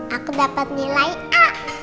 aku dapet nilai a